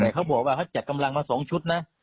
แต่เขาบอกว่าเขาจัดกำลังมา๒ชุดนะ